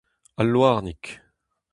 Al Louarnig.